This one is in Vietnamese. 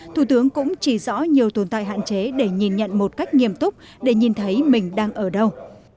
thủ tướng cũng chỉ rõ nhiều tồn tại hạn chế để nhìn nhận một cách nghiêm túc để nhìn thấy mình đang ở đâu